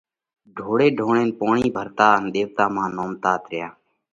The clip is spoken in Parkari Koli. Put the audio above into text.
ڍوڙي ڍوڙينَ پوڻِي ڀرتا ان ۮيوَتا مانه نومتات ريا۔